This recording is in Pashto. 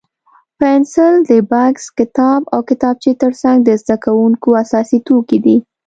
پنسل د بکس، کتاب او کتابچې تر څنګ د زده کوونکو اساسي توکي دي.